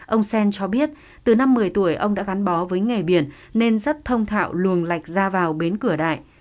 ông sen cho biết từ năm một mươi tuổi ông đã gắn bó với nghề biển nên rất thông thạo luồng lạch ra vào bến cửa đại